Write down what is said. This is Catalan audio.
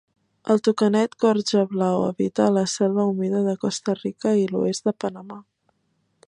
El tucanet gorjablau habita a la selva humida de Costa Rica i l'oest de Panamà.